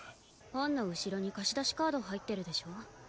本の後ろに貸し出しカード入ってるでしょ。